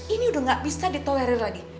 ini udah gak bisa ditolerir lagi